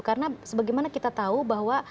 karena sebagaimana kita tahu bahwa